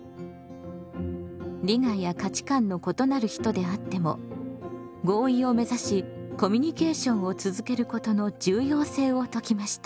利害や価値観の異なる人であっても合意を目指しコミュニケーションを続けることの重要性を説きました。